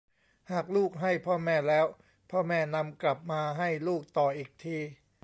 หากลูกให้พ่อแม่แล้ว พ่อแม่นำกลับมาให้ลูกต่ออีกที